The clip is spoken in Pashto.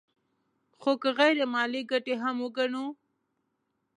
خو که غیر مالي ګټې هم وګڼو